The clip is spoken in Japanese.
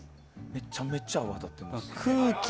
めちゃめちゃ泡立ててます。